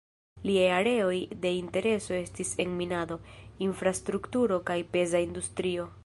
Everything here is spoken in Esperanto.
Liaj areoj de intereso estis en minado, infrastrukturo kaj peza industrio.